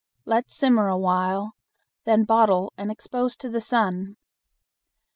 Let simmer a while, then bottle and expose to the sun.